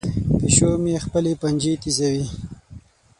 پیشو مې خپلې پنجې تیزوي.